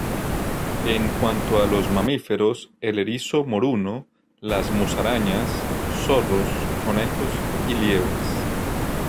En cuanto a los mamíferos, el erizo moruno, las musarañas, zorros, conejos y liebres.